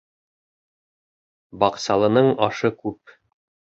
Баҡсалының ашы күп.